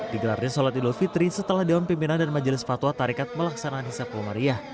digelarnya sholat idul fitri setelah daun pimpinan dan majelis fatwa tarekat melaksanakan hisapul maria